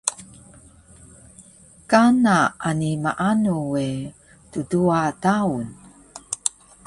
Kana ani maanu we tduwa daun